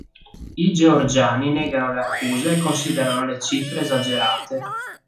I georgiani negano le accuse e considerano le cifre esagerate.